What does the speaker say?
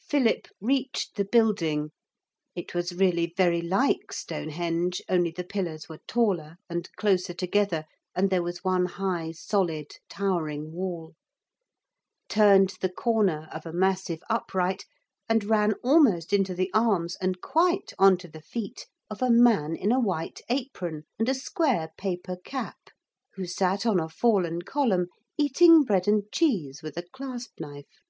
Philip reached the building; it was really very like Stonehenge, only the pillars were taller and closer together and there was one high solid towering wall; turned the corner of a massive upright and ran almost into the arms, and quite on to the feet of a man in a white apron and a square paper cap, who sat on a fallen column, eating bread and cheese with a clasp knife.